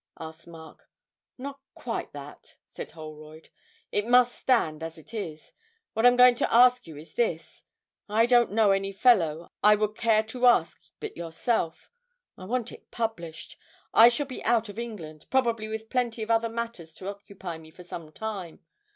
asked Mark. 'Not quite that,' said Holroyd; 'it must stand as it is. What I'm going to ask you is this: I don't know any fellow I would care to ask but yourself. I want it published. I shall be out of England, probably with plenty of other matters to occupy me for some time.